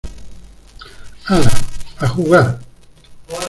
hala, a jugar.